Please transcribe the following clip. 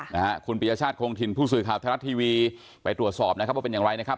นะฮะคุณปียชาติคงถิ่นผู้สื่อข่าวไทยรัฐทีวีไปตรวจสอบนะครับว่าเป็นอย่างไรนะครับ